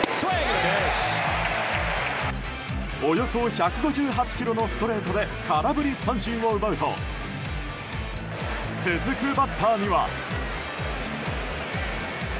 およそ１５８キロのストレートで空振り三振を奪うと続くバッターには。